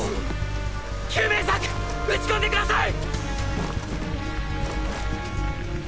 救命索撃ち込んでください！